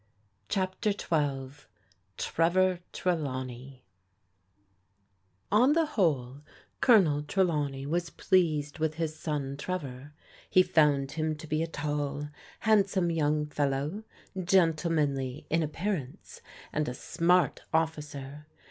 CHAPTER XII TREVOR TRELAWNEY ON the whole Colonel Trelawney was pleased with his son Trevor. He found him to be a tall, handsome young fellow, gentlemanly in appearance, and a smart officer.